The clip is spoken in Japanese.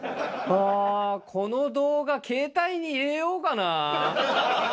あー、この動画、携帯に入れようかな。